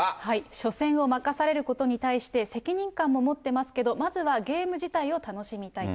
初戦を任されることに対して、責任感も持ってますけど、まずはゲーム自体を楽しみたいと。